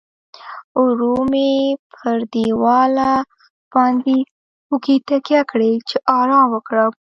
ورو مې پر دیواله باندې اوږې تکیه کړې، چې ارام وکړم.